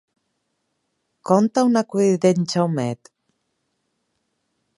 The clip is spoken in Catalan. Conta un acudit d'en Jaumet.